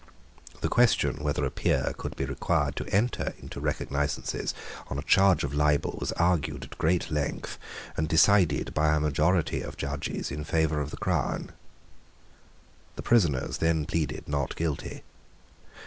The question whether a peer could be required to enter into recognisances on a charge of libel was argued at great length, and decided by a majority of judges in favour of the crown. The prisoners then pleaded Not Guilty.